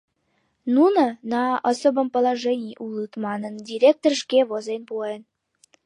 Нуно «на особом положений» улыт манын, директор шке возен пуэн...